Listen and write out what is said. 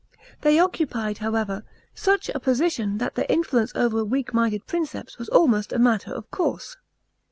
They occupied, however, such ? position that their influence over a weak minded Princeps was almost a matter of course.